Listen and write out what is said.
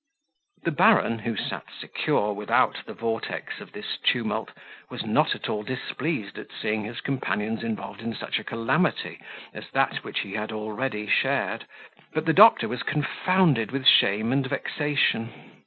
The baron, who sat secure without the vortex of this tumult, was not at all displeased at seeing his companions involved in such a calamity as that which he had already shared; but the doctor was confounded with shame and vexation.